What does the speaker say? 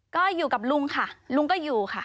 ก็อยู่กับลุงค่ะลุงก็อยู่ค่ะ